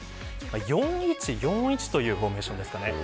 ４−１−４−１というフォーメーションです。